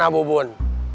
mana bu bun